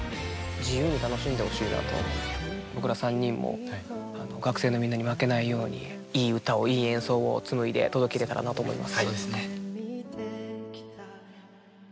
僕ら３人も学生のみんなに負けないように、いい歌をいい演奏をつむいで届けれたらなと思います。